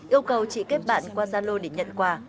yêu cầu chị kết bạn qua zalo để nhận quà